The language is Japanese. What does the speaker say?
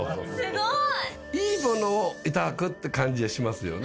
すごい。いいものをいただくって感じがしますよね。